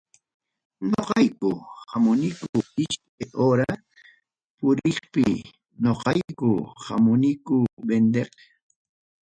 Noqayku hamuniku iskay hora puriypi, noqayku hamuniku vendeq.